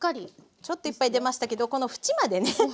ちょっといっぱい出ましたけどこの縁までね